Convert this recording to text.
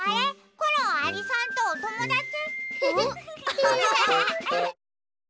コロンアリさんとおともだち？